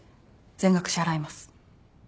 全額支払います。